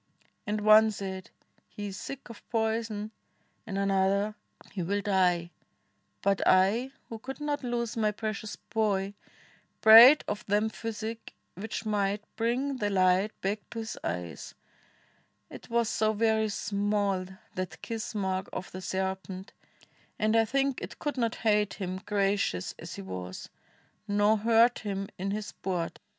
And one said, 'He is sick Of poison'; and another, 'He will die.' But I, who could not lose my precious boy, Prayed of them physic, which might bring the light Back to his eyes; it was so very small That kiss mark of the serpent, and I think It could not hate him, gracious as he was, Nor hurt him in his sport.